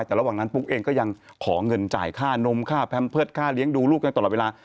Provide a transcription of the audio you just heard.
แต่ระหว่างนั้นปุ๊กเองก็ยังขอเงินจ่ายค่านมค่าแพมเพิร์ตค่าเลี้ยงดูลูกกันตลอดเวลา